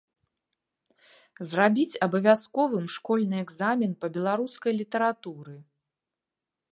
Зрабіць абавязковым школьны экзамен па беларускай літаратуры.